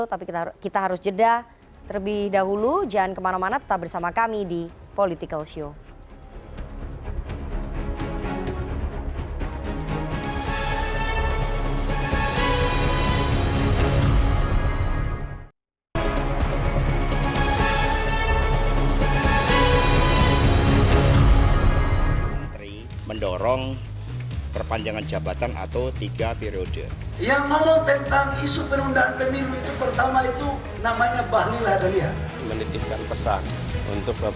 tapi kita harus jeda terlebih dahulu jangan kemana mana tetap bersama kami di political show